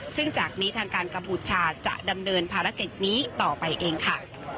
ซึ่งจากนี้ทางการกัมพูชาจะดำเนินภารกิจนี้ต่อไปเองค่ะ